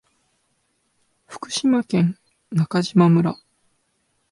福島県中島村